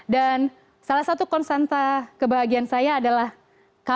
dan salah satu konstanta kebahagiaan saya adalah kamu